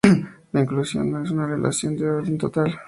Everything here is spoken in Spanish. La inclusión no es una relación de orden total.